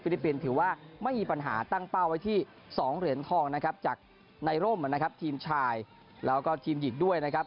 แล้วก็ทีมหญิงด้วยนะครับ